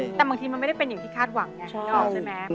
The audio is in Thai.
แต่บางทีมันไม่ได้เป็นอย่างที่คาดหวังไงนึกออกใช่ไหม